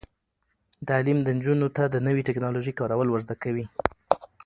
تعلیم نجونو ته د نوي ټیکنالوژۍ کارول ور زده کوي.